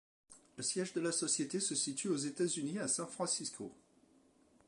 Le siège de la société se situe aux États-Unis à San Francisco.